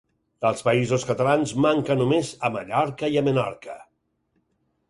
Als Països Catalans manca només a Mallorca i a Menorca.